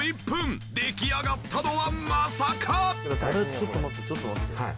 ちょっと待ってちょっと待って。